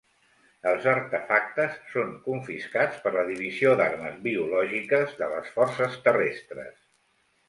Els artefactes són confiscats per la divisió d'armes biològiques de les Forces Terrestres.